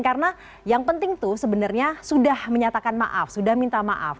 karena yang penting itu sebenarnya sudah menyatakan maaf sudah minta maaf